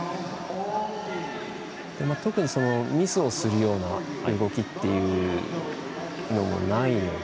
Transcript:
特にミスをするような動きっていうのもないので。